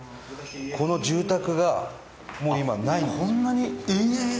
この住宅がもう今、ないんですよ。